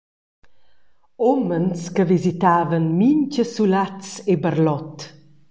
Umens che visitavan mintga sulaz e barlot.